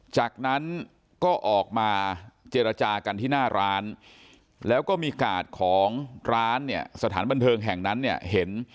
จากนั้นก็ออกมาเจรจากันที่หน้าร้านแล้วก็มีกาดของร้านเนี่ยสถานบันเทิงแห่งนั้นเนี่ยเห็น